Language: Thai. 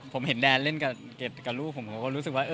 ผมเห็นแดนเล่นกับลูกผมเขาก็รู้สึกว่า